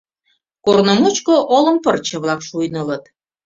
Корно мучко олым пырче-влак шуйнылыт.